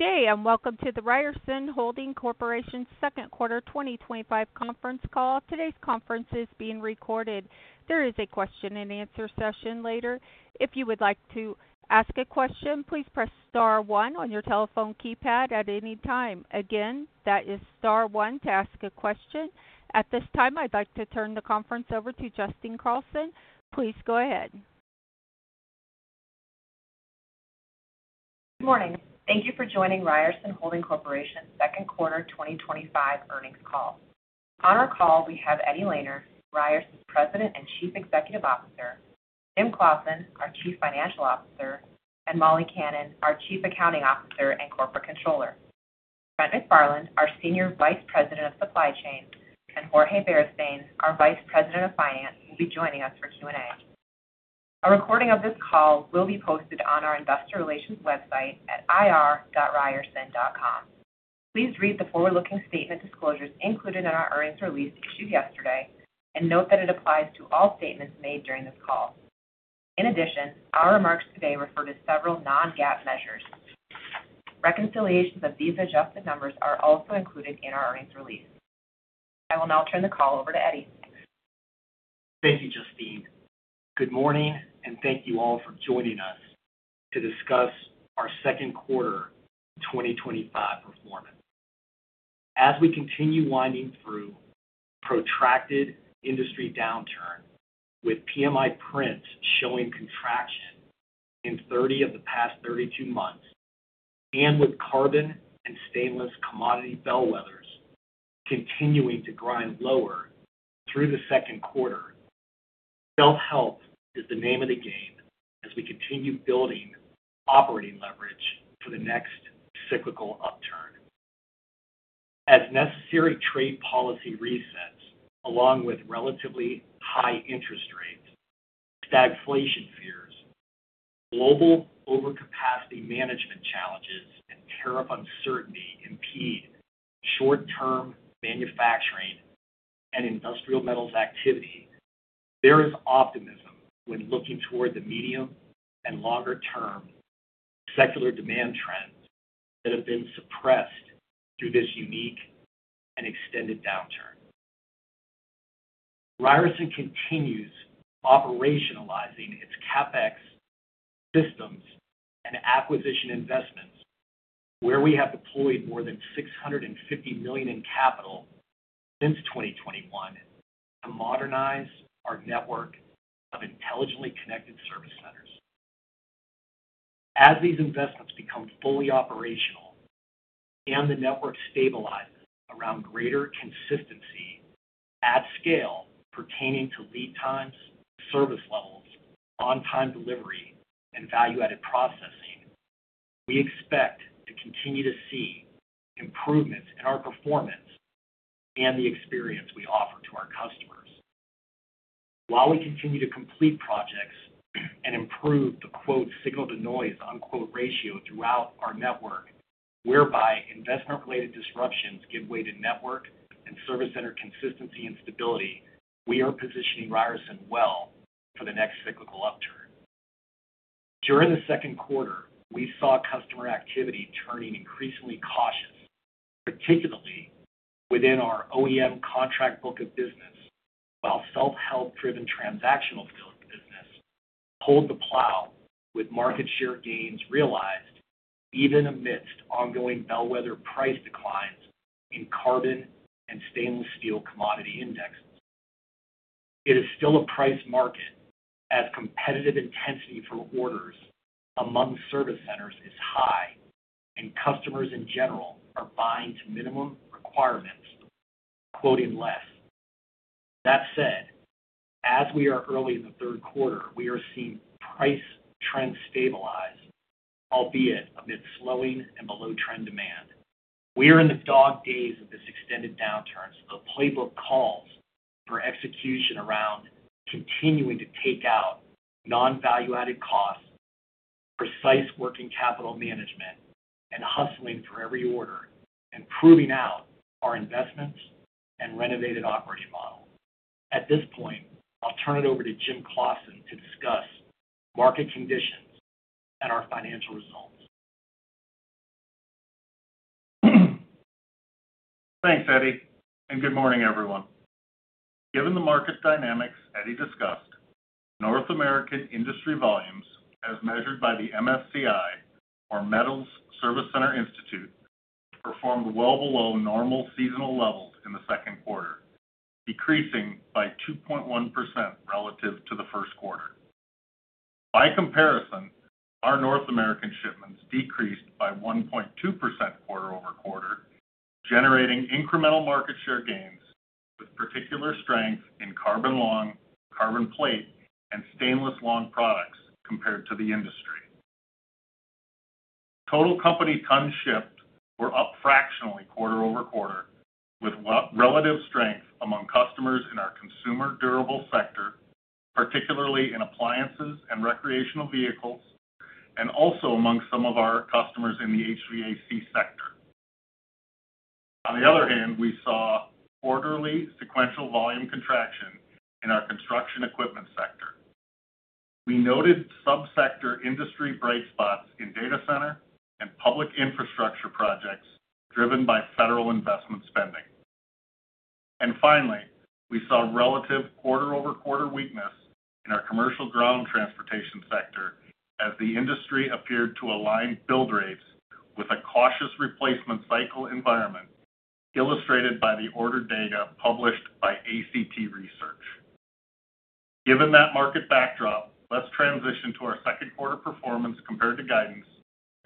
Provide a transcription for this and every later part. Today, and welcome to the Ryerson Holding Corporation's Second Quarter 2025 Conference Call. Today's conference is being recorded. There is a question and answer session later. If you would like to ask a question, please press star one on your telephone keypad at any time. Again, that is star one to ask a question. At this time, I'd like to turn the conference over to Justine Carlson. Please go ahead. Morning. Thank you for joining Ryerson Holding Corporation's second quarter 2025 earnings call. On our call, we have Eddie Lehner, Ryerson's President and Chief Executive Officer, Jim Claussen, our Chief Financial Officer, Molly Kannan, our Chief Accounting Officer and Corporate Controller, Brent McFarland, our Senior Vice President of Supply Chain, and Jorge Beristain, our Vice President of Finance, who will be joining us for Q&A. A recording of this call will be posted on our investor relations website at ir.ryerson.com. Please read the forward-looking statement disclosures included in our earnings release issued yesterday and note that it applies to all statements made during this call. In addition, our remarks today refer to several non-GAAP measures. Reconciliations of these adjusted numbers are also included in our earnings release. I will now turn the call over to Eddie. Thank you, Justine. Good morning, and thank you all for joining us to discuss our second quarter 2025 performance. As we continue winding through a protracted industry downturn, with PMI prints showing contraction in 30 of the past 32 months, and with carbon and stainless commodity bellwethers continuing to grind lower through the second quarter, shelf health is the name of the game as we continue building operating leverage for the next cyclical upturn. At a necessary trade policy recess, along with relatively high interest rates, stagflation fears, global overcapacity management challenges, and tariff uncertainty impede short-term manufacturing and industrial metals activity, there is optimism when looking toward the medium and longer-term secular demand trends that have been suppressed through this unique and extended downturn. Ryerson continues operationalizing its CapEx systems and acquisition investments, where we have deployed more than $650 million in capital since 2021 to modernize our network of intelligently connected service centers. As these investments become fully operational and the network stabilizes around greater consistency at scale pertaining to lead times, service levels, on-time delivery, and value-added processing, we expect and continue to see improvements in our performance and the experience we offer to our customers. While we continue to complete projects and improve the "signal-to-noise" ratio throughout our network, whereby investment-related disruptions give way to network and service center consistency and stability, we are positioning Ryerson well for the next cyclical upturn. During the second quarter, we saw customer activity turning increasingly cautious, particularly within our OEM contract book of business, while shelf health-driven transactional business pulled the plow with market share gains realized even amidst ongoing bellwether price declines in carbon and stainless steel commodity indexes. It is still a price market as competitive intensity for orders among service centers is high and customers in general are buying to minimum requirements, quoting less. That said, as we are early in the third quarter, we are seeing price trends stabilize, albeit amid slowing and below-trend demand. We are in the dog days of this extended downturn, so the playbook calls for execution around continuing to take out non-value-added costs, precise working capital management, and hustling through every order, and proving out our investments and renovated operating model. At this point, I'll turn it over to Jim Claussen to discuss market conditions. Thanks, Eddie, and good morning, everyone. Given the market dynamics Eddie discussed, North American industry volumes, as measured by the Metals Service Center Institute, performed well below normal seasonal levels in the second quarter, decreasing by 2.1% relative to the first quarter. By comparison, our North American shipments decreased by 1.2% quarter-over-quarter, generating incremental market share gains, with particular strength in carbon long, carbon plate, and stainless long products compared to the industry. Total company tons shipped were up fractionally quarter-over-quarter, with relative strength among customers in our consumer durable sector, particularly in appliances and recreational vehicles, and also among some of our customers in the HVAC sector. On the other hand, we saw quarterly sequential volume contraction in our construction equipment sector. We noted subsector industry bright spots in data center and public infrastructure projects driven by federal investment spending. Finally, we saw relative quarter-over-quarter weakness in our commercial ground transportation sector as the industry appeared to align build rates with a cautious replacement cycle environment, illustrated by the order data published by ACT Research. Given that market backdrop, let's transition to our second quarter performance compared to guidance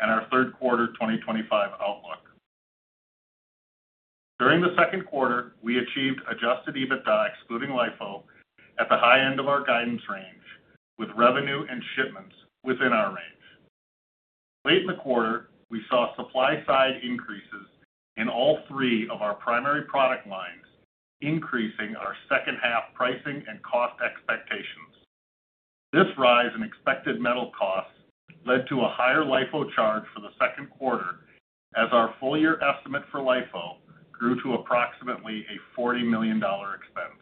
and our third quarter 2025 outlook. During the second quarter, we achieved adjusted EBITDA, excluding LIFO at the high end of our guidance range, with revenue and shipments within our range. Late in the quarter, we saw supply-side increases in all three of our primary product lines, increasing our second half pricing and cost expectations. This rise in expected metal costs led to a higher LIFO charge for the second quarter, as our full-year estimate for LIFO grew to approximately a $40 million expense.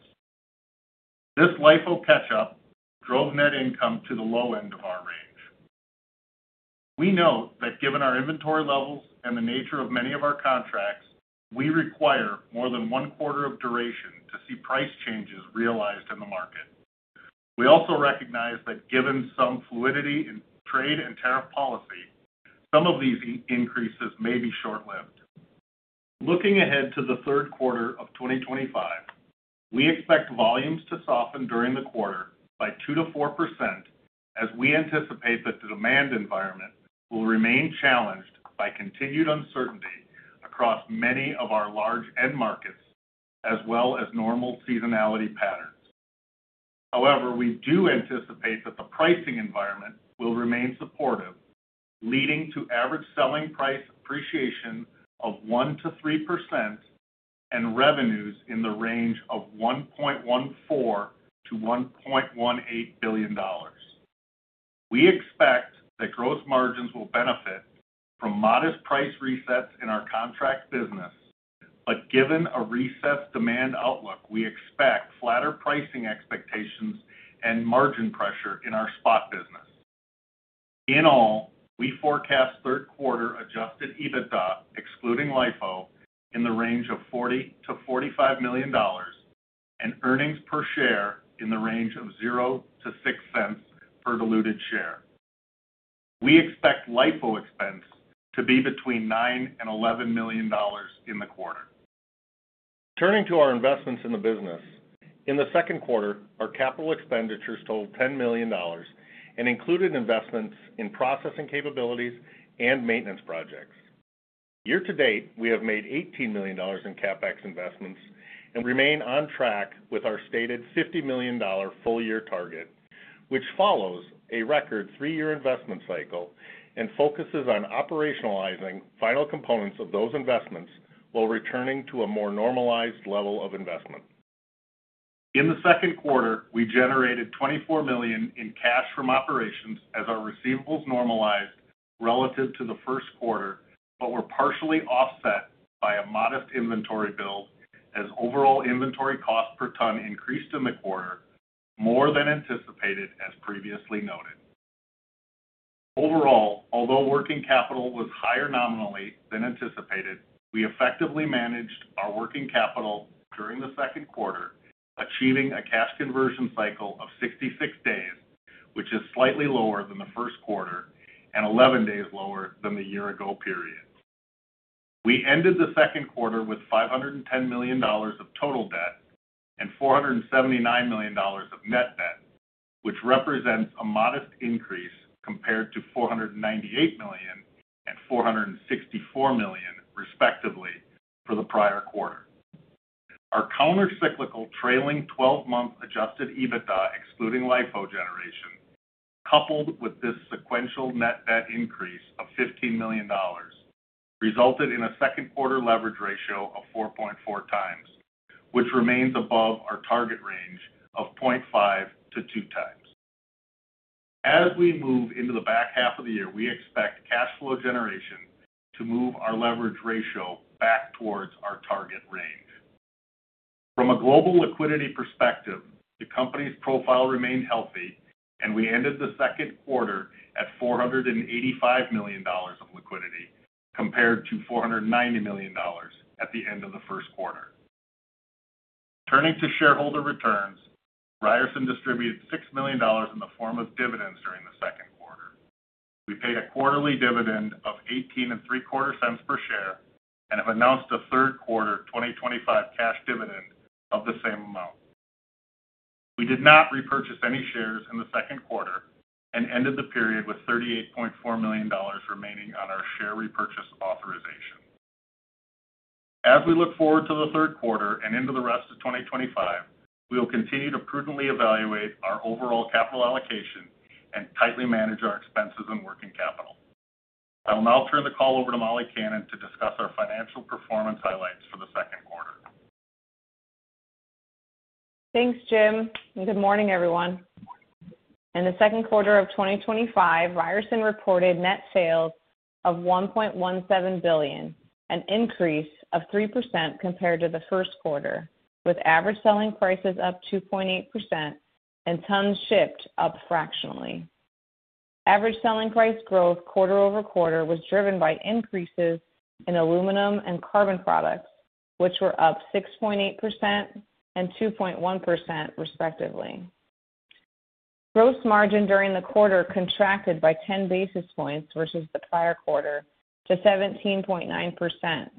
This LIFO catch-up drove net income to the low end of our range. We note that given our inventory levels and the nature of many of our contracts, we require more than one quarter of duration to see price changes realized in the market. We also recognize that given some fluidity in trade and tariff policy, some of these increases may be short-lived. Looking ahead to the third quarter of 2025, we expect volumes to soften during the quarter by 2%-4%, as we anticipate that the demand environment will remain challenged by continued uncertainty across many of our large end markets, as well as normal seasonality patterns. However, we do anticipate that the pricing environment will remain supportive, leading to average selling price appreciation of 1%-3% and revenues in the range of $1.14 billion-$1.18 billion. We expect that gross margins will benefit from modest price resets in our contract business, but given a reset demand outlook, we expect flatter pricing expectations and margin pressure in our spot business. In all, we forecast third quarter adjusted EBITDA, excluding LIFO in the range of $40 million-$45 million and earnings per share in the range of $0-$0.06 per diluted share. We expect LIFO expense to be between $9 million and $11 million in the quarter. Turning to our investments in the business, in the second quarter, our capital expenditures totaled $10 million and included investments in processing capabilities and maintenance projects. Year to date, we have made $18 million in CapEx investments and remain on track with our stated $50 million full-year target, which follows a record three-year investment cycle and focuses on operationalizing final components of those investments while returning to a more normalized level of investment. In the second quarter, we generated $24 million in cash from operations as our receivables normalized relative to the first quarter, but were partially offset by a modest inventory build as overall inventory cost per ton increased in the quarter more than anticipated as previously noted. Overall, although working capital was higher nominally than anticipated, we effectively managed our working capital during the second quarter, achieving a cash conversion cycle of 66 days, which is slightly lower than the first quarter and 11 days lower than the year-ago periods. We ended the second quarter with $510 million of total debt and $479 million of net debt, which represents a modest increase compared to $498 million and $464 million, respectively, for the prior quarter. Our countercyclical trailing 12-month adjusted EBITDA (excluding LIFO) generation, coupled with this sequential net debt increase of $15 million, resulted in a second quarter leverage ratio of 4.4x, which remains above our target range of 0.5 to 2 times. As we move into the back half of the year, we expect cash flow generation to move our leverage ratio back towards our target range. From a global liquidity perspective, the company's profile remained healthy, and we ended the second quarter at $485 million of liquidity compared to $490 million at the end of the first quarter. Turning to shareholder returns, Ryerson distributed $6 million in the form of dividends during the second quarter. We paid a quarterly dividend of $0.1875 per share and have announced a third quarter 2025 cash dividend of the same amount. We did not repurchase any shares in the second quarter and ended the period with $38.4 million remaining on our share repurchase authorization. As we look forward to the third quarter and into the rest of 2025, we will continue to prudently evaluate our overall capital allocation and tightly manage our expenses and working capital. I will now turn the call over to Molly Kannan to discuss our financial performance highlights for the second quarter. Thanks, Jim. Good morning, everyone. In the second quarter of 2025, Ryerson reported net sales of $1.17 billion, an increase of 3% compared to the first quarter, with average selling prices up 2.8% and tons shipped up fractionally. Average selling price growth quarter-over-quarter was driven by increases in aluminium and carbon products, which were up 6.8% and 2.1%, respectively. Gross margin during the quarter contracted by 10 basis points versus the prior quarter to 17.9%,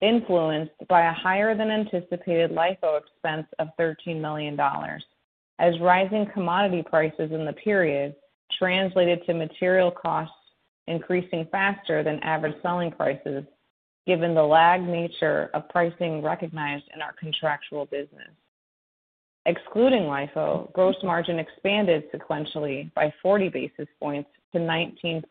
influenced by a higher-than-anticipated LIFO expense of $13 million, as rising commodity prices in the period translated to material costs increasing faster than average selling prices, given the lag nature of pricing recognized in our contractual business. Excluding LIFO, gross margin expanded sequentially by 40 basis points to 19%.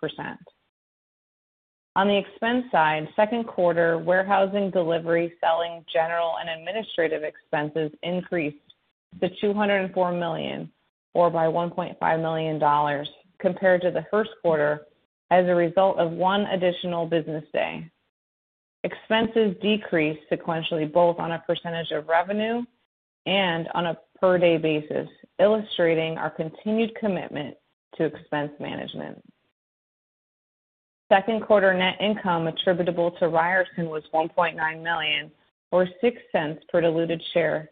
On the expense side, second quarter warehousing, delivery, selling, general and administrative expenses increased to $204 million or by $1.5 million compared to the first quarter as a result of one additional business day. Expenses decreased sequentially both on a percentage of revenue and on a per-day basis, illustrating our continued commitment to expense management. Second quarter net income attributable to Ryerson was $1.9 million or $0.06 per diluted share,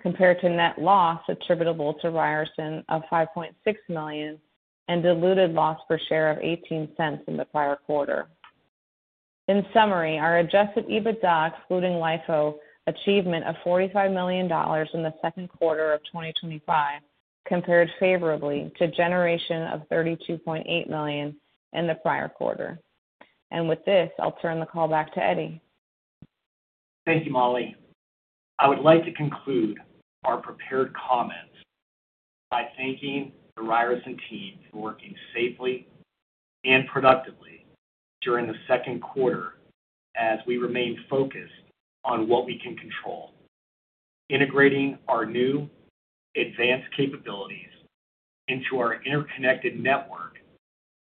compared to net loss attributable to Ryerson of $5.6 million and diluted loss per share of $0.18 in the prior quarter. In summary, our adjusted EBITDA, excluding LIFO, achievement of $45 million in the second quarter of 2025 compared favorably to generation of $32.8 million in the prior quarter. With this, I'll turn the call back to Eddie. Thank you, Molly. I would like to conclude our prepared comments by thanking the Ryerson team for working safely and productively during the second quarter as we remained focused on what we can control, integrating our new advanced capabilities into our interconnected network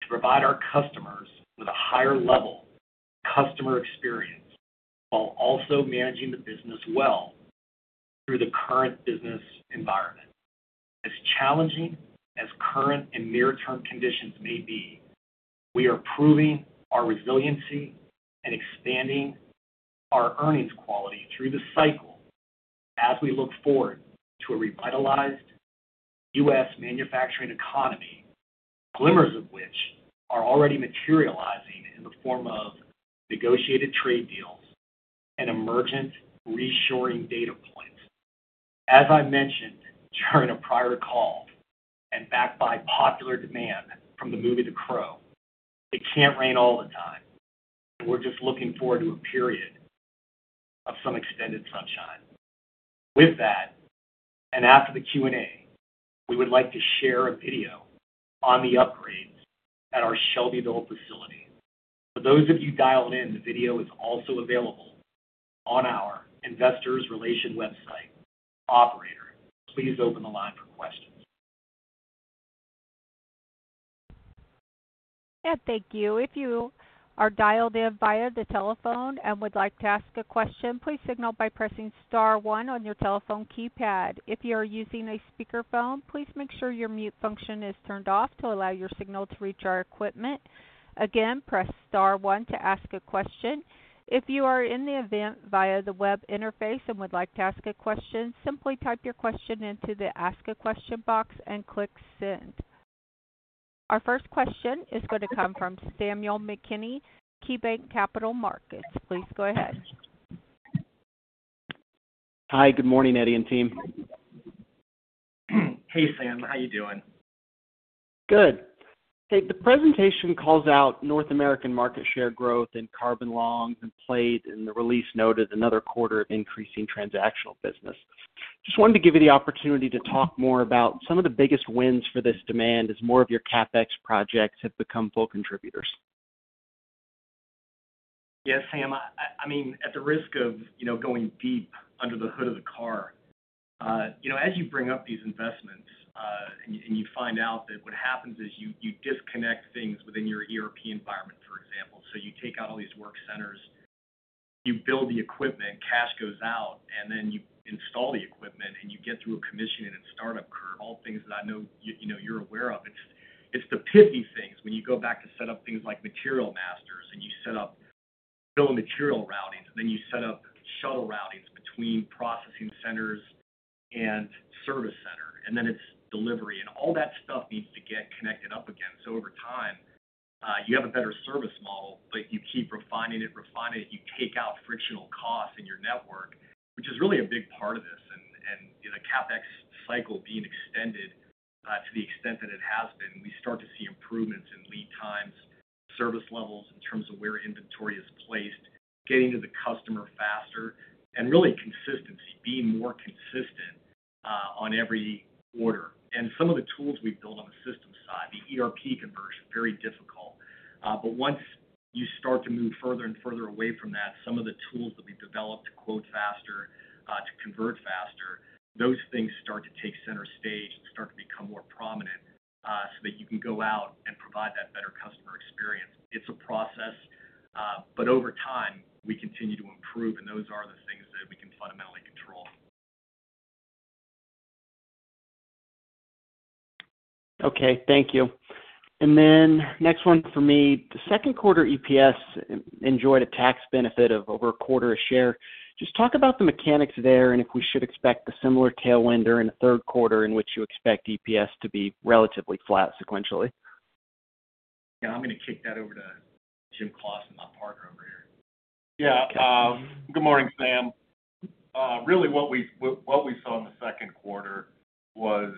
to provide our customers with a higher level of customer experience while also managing the business well through the current business environment. Challenging as current and near-term conditions may be, we are proving our resiliency and expanding our earnings quality through the cycle as we look forward to a revitalized U.S. manufacturing economy, glimmers of which are already materializing in the form of negotiated trade deals and emergent reassuring data points. As I mentioned during a prior call and backed by popular demand from the movie The Crow, it can't rain all the time. We're just looking forward to a period of some extended sunshine. With that, and after the Q&A, we would like to share a video on the upgrades at our Shelbyville facility. For those of you dialed in, the video is also available on our investor relations website. Operator, please open the line for questions. Thank you. If you are dialed in via the telephone and would like to ask a question, please signal by pressing star one on your telephone keypad. If you are using a speakerphone, please make sure your mute function is turned off to allow your signal to reach our equipment. Again, press star one to ask a question. If you are in the event via the web interface and would like to ask a question, simply type your question into the ask a question box and click send. Our first question is going to come from Samuel McKinney, KeyBanc Capital Markets. Please go ahead. Hi, good morning, Eddie and team. Hey, Sam. How are you doing? Good. The presentation calls out North American market share growth in carbon long and plate, and the release noted another quarter of increasing transactional business. I just wanted to give you the opportunity to talk more about some of the biggest wins for this demand as more of your CapEx projects have become full contributors. Yes, Sam. At the risk of going deep under the hood of the car, as you bring up these investments and you find out that what happens is you disconnect things within your ERP environment, for example. You take out all these work centers, you build the equipment, cash goes out, and then you install the equipment and you get through a commissioning and startup curve, all things that I know you're aware of. It's the pithy things when you go back to set up things like material masters and you set up bill and material routings, and then you set up shuttle routings between processing centers and service center, and then it's delivery, and all that stuff needs to get connected up again. Over time, you have a better service model, but you keep refining it, refining it. You take out frictional costs in your network, which is really a big part of this. The CapEx cycle being extended to the extent that it has been, we start to see improvements in lead times, service levels in terms of where inventory is placed, getting to the customer faster, and really consistency, being more consistent on every order. Some of the tools we've built on the system side, the ERP conversion, very difficult. Once you start to move further and further away from that, some of the tools that we've developed to quote faster, to convert faster, those things start to take center stage and start to become more prominent so that you can go out and provide that better customer experience. It's a process, but over time, we continue to improve, and those are the things that we can fundamentally control. Okay, thank you. The second quarter EPS enjoyed a tax benefit of over $0.25 a share. Just talk about the mechanics there and if we should expect a similar tailwind during the third quarter in which you expect EPS to be relatively flat sequentially. Yeah, I'm going to kick that over to Jim Claussen and not Parker over here. Yeah, good morning, Sam. Really, what we saw in the second quarter was,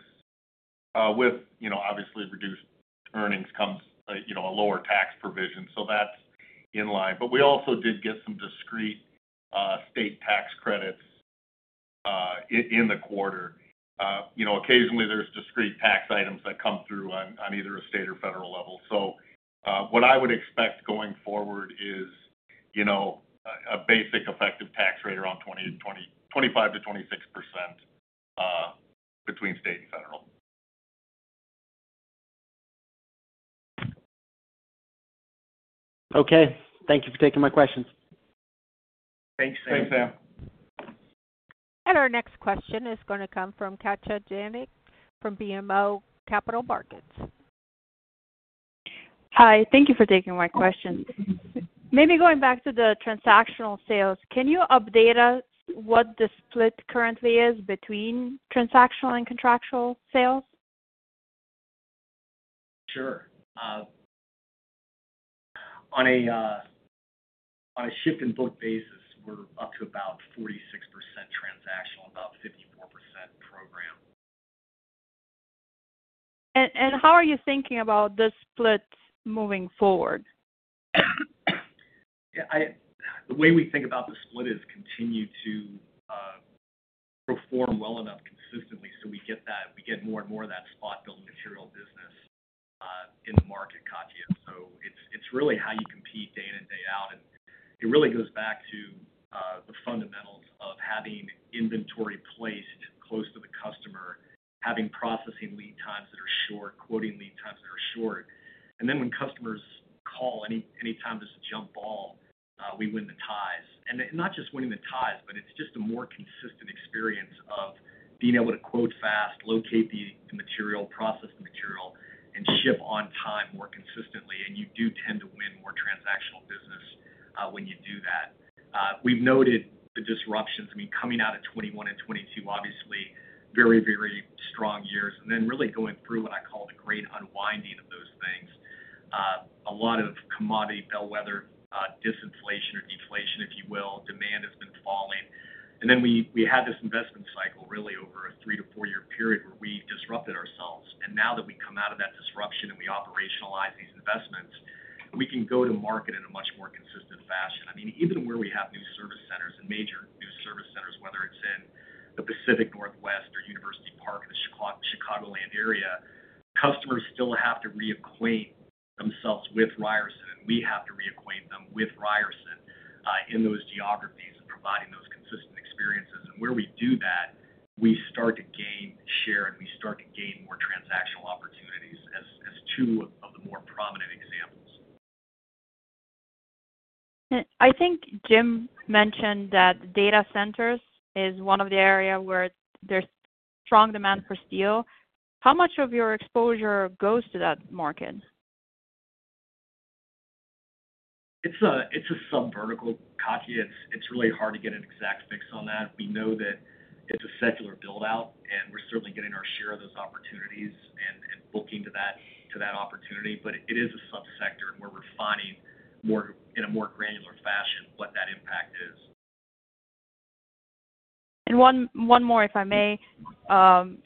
with obviously reduced earnings, comes a lower tax provision. That's in line. We also did get some discrete state tax credits in the quarter. Occasionally, there's discrete tax items that come through on either a state or federal level. What I would expect going forward is a basic effective tax rate around 25%-26% between state and federal. Okay, thank you for taking my questions. Thanks, Sam. Our next question is going to come from Katja Jancic from BMO Capital Markets. Hi, thank you for taking my question. Maybe going back to the transactional sales, can you update us what the split currently is between transactional and contractual sales? Sure. On a shift in book basis, we're up to about 46% transactional and about 54% program. How are you thinking about the split moving forward? Yeah, the way we think about the split is continue to perform well enough consistently so we get that, we get more and more of that spot bill material business in the market, Katja. It is really how you compete day in and day out. It really goes back to the fundamentals of having inventory placed close to the customer, having processing lead times that are short, quoting lead times that are short. When customers call, anytime there's a jump ball, we win the ties. Not just winning the ties, but it's just a more consistent experience of being able to quote fast, locate the material, process the material, and ship on time more consistently. You do tend to win more transactional business when you do that. We've noted the disruptions, coming out of 2021 and 2022, obviously very, very strong years. Really going through what I call the great unwinding of those things. A lot of commodity bellwether, disinflation or deflation, if you will, demand has been falling. We had this investment cycle really over a three to four-year period where we disrupted ourselves. Now that we come out of that disruption and we operationalize these investments, we can go to market in a much more consistent fashion. Even where we have new service centers and major new service centers, whether it's in the Pacific Northwest or University Park in the Chicagoland area, customers still have to reacquaint themselves with Ryerson, and we have to reacquaint them with Ryerson in those geographies and providing those consistent experiences. Where we do that, we start to gain share and we start to gain more transactional opportunities as two of the more prominent examples. I think Jim Claussen mentioned that data centers is one of the areas where there's strong demand for steel. How much of your exposure goes to that market? It's a subvertical, Katja. It's really hard to get an exact fix on that. We know that it's a secular build-out, and we're certainly getting our share of those opportunities and booking to that opportunity. It is a subsector, and we're refining more in a more granular fashion what that impact is. One more, if I may.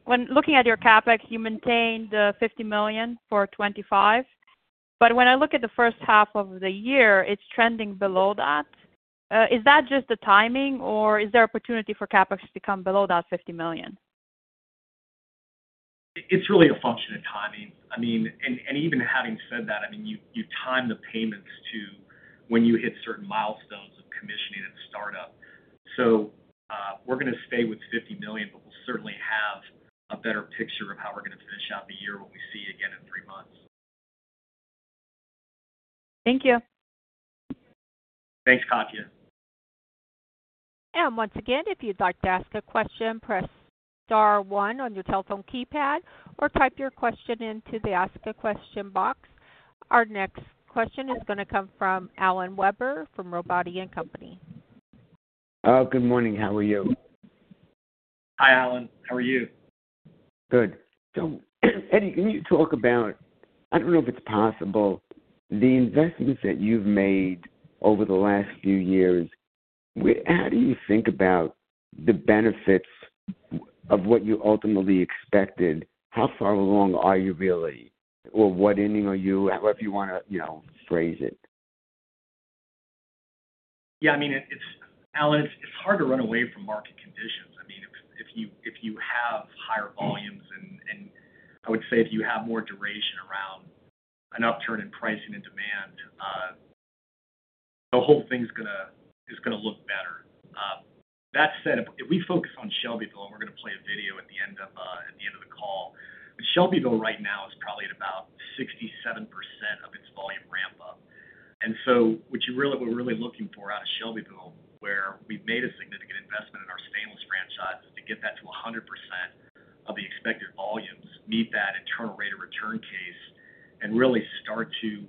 When looking at your CapEx, you maintain the $50 million for 2025. When I look at the first half of the year, it's trending below that. Is that just the timing, or is there opportunity for CapEx to come below that $50 million? It's really a function of timing. I mean, even having said that, you time the payments to when you hit certain milestones of commissioning and startup. We're going to stay with $50 million, but we'll certainly have a better picture of how we're going to finish out the year and what we see again in three months. Thank you. Thanks, Katja. If you'd like to ask a question, press star one on your telephone keypad or type your question into the ask a question box. Our next question is going to come from Alan Weber from Robotti & Company. Oh, good morning. How are you? Hi, Alan. How are you? Good. Eddie, can you talk about the investments that you've made over the last few years? How do you think about the benefits of what you ultimately expected? How far along are you really, or what inning are you at, whatever you want to phrase it? Yeah, I mean, Alan, it's hard to run away from market conditions. I mean, if you have higher volumes, and I would say if you have more duration around an upturn in pricing and demand, the whole thing is going to look better. That said, if we focus on Shelbyville, and we're going to play a video at the end of the call, Shelbyville right now is probably at about 67% of its volume ramp-up. What we're really looking for out of Shelbyville, where we've made a significant investment in our stainless franchise, is to get that to 100% of the expected volumes, meet that internal rate of return case, and really start to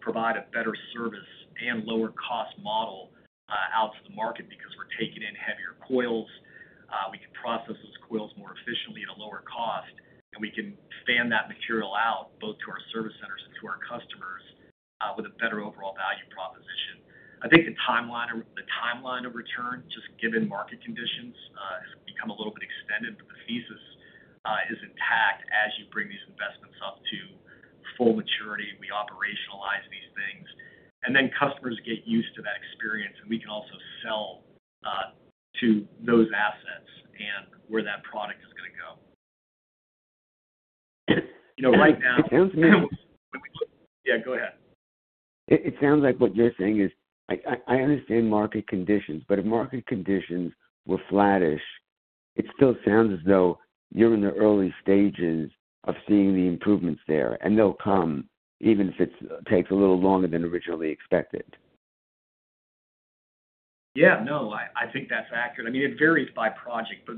provide a better service and lower cost model out to the market because we're taking in heavier coils. We can process those coils more efficiently at a lower cost, and we can fan that material out both to our service centers and to our customers with a better overall value proposition. I think the timeline of return, just given market conditions, has become a little bit extended, but the thesis is intact as you bring these investments up to full maturity and we operationalize these things. Customers get used to that experience, and we can also sell to those assets and where that product is going to go right now. It sounds to me. Yeah, go ahead. It sounds like what you're saying is I understand market conditions, but if market conditions were flattish, it still sounds as though you're in the early stages of seeing the improvements there, and they'll come even if it takes a little longer than originally expected. Yeah, no, I think that's accurate. I mean, it varies by project, but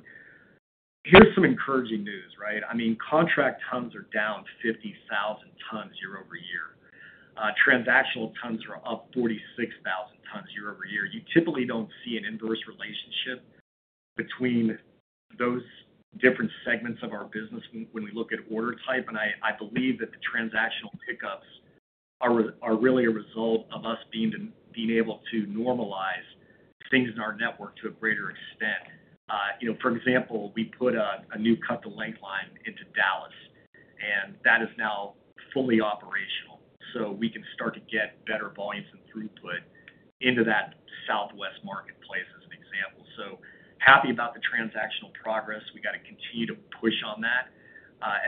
here's some encouraging news, right? I mean, contract tons are down 50,000 tons year over year. Transactional tons are up 46,000 tons year over year. You typically don't see an inverse relationship between those different segments of our business when we look at order type, and I believe that the transactional pickups are really a result of us being able to normalize things in our network to a greater extent. For example, we put a new cut-to-length line into Dallas, and that is now fully operational. We can start to get better volumes and throughput into that southwest marketplace as an example. Happy about the transactional progress. We got to continue to push on that.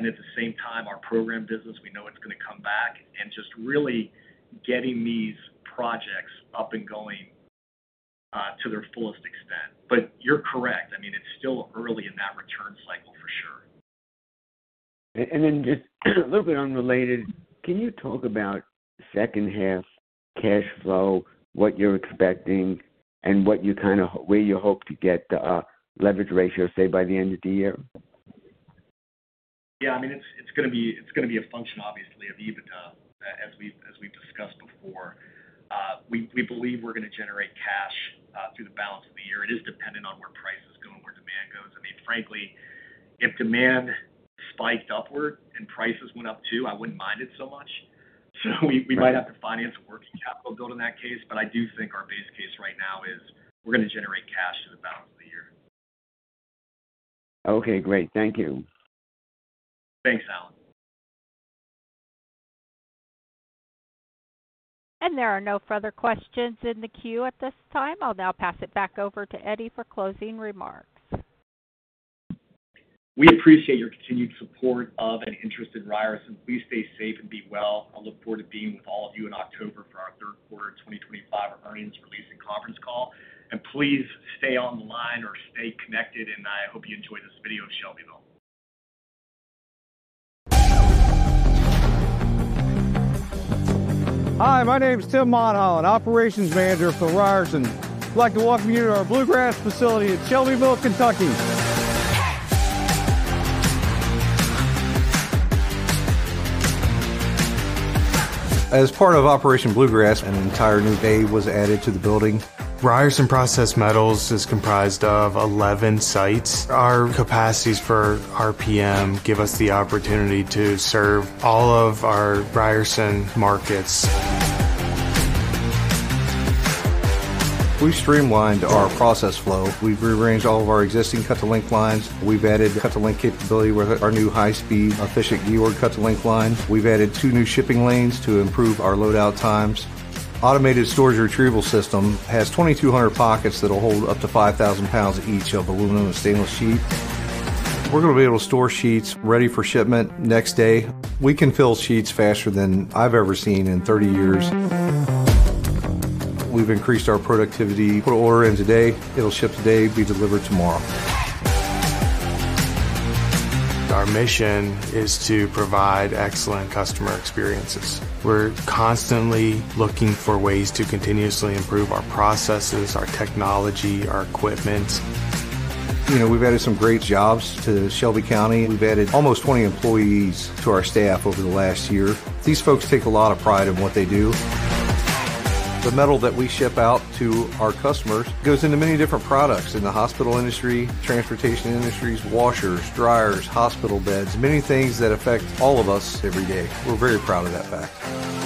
At the same time, our program business, we know it's going to come back and just really getting these projects up and going to their fullest extent. You're correct. I mean, it's still early in that return cycle for sure. Could you talk about the second half cash flow, what you're expecting, and where you hope to get the leverage ratio, say, by the end of the year? Yeah, I mean, it's going to be a function, obviously, of EBITDA, as we've discussed before. We believe we're going to generate cash through the balance of the year. It is dependent on where prices go and where demand goes. Frankly, if demand spiked upward and prices went up too, I wouldn't mind it so much. We might have to finance a working capital build in that case, but I do think our base case right now is we're going to generate cash through the balance of the year. Okay, great. Thank you. Thanks, Alan. There are no further questions in the queue at this time. I'll now pass it back over to Eddie for closing remarks. We appreciate your continued support of and interest in Ryerson. Please stay safe and be well. I look forward to being with all of you in October for our third quarter 2025 earnings release and conference call. Please stay online or stay connected, and I hope you enjoy this video, Shelby. Hi, my name is Tim Monholland, Operations Manager for Ryerson. I'd like to welcome you to our Bluegrass facility in Shelbyville, Kentucky. As part of Operation Bluegrass, an entire new bay was added to the building. Ryerson Process Metals is comprised of 11 sites. Our capacities for RPM give us the opportunity to serve all of our Ryerson markets. We've streamlined our process flow and rearranged all of our existing cut-to-length lines. We've added cut-to-length capability with our new high-speed, efficient GEORD cut-to-length line. We've added two new shipping lanes to improve our loadout times. The automated storage retrieval system has 2,200 pockets that'll hold up to 5,000 pounds each of aluminium and stainless sheet. We're going to be able to store sheets ready for shipment next day. We can fill sheets faster than I've ever seen in 30 years. We've increased our productivity. Put an order in today, it'll ship today, be delivered tomorrow. Our mission is to provide excellent customer experiences. We're constantly looking for ways to continuously improve our processes, our technology, our equipment. We've added some great jobs to Shelby County and vetted almost 20 employees to our staff over the last year. These folks take a lot of pride in what they do. The metal that we ship out to our customers goes into many different products in the hospital industry, transportation industries, washers, dryers, hospital beds, many things that affect all of us every day. We're very proud of that fact.